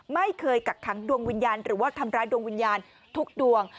ไม่เคยกักขังดวงวิญญาณหรือว่าทำร้ายดวงวิญญาณทุกดวง